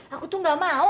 aku tuh nggak mau